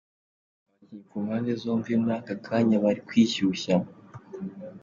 Abakinnyi ku mpande zombi muri aka kanya bari kwishyushya.